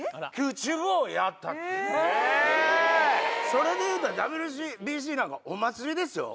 それで言うたらＷＢＣなんかお祭りですよ？